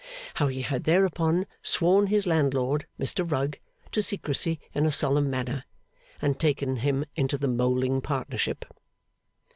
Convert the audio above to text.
How he had, thereupon, sworn his landlord, Mr Rugg, to secrecy in a solemn manner, and taken him into Moleing partnership.